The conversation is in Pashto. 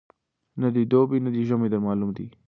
نه دي دوبی نه دي ژمی در معلوم دی